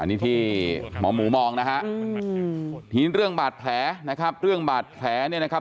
อันนี้ที่หมอหมูมองนะฮะอืมนี่เรื่องบาดแผลนะครับ